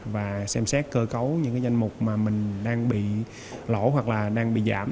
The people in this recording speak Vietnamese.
và xem xét cơ cấu những cái danh mục mà mình đang bị lỗ hoặc là đang bị giảm